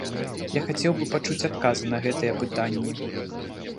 Я хацеў бы пачуць адказы на гэтыя пытанні.